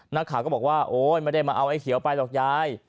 นักข่าวก็บอกว่าโอ๊ยไม่ได้มาเอาไอ้เขียวไปหรอกยาย